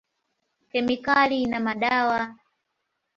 Kemikali na madawa.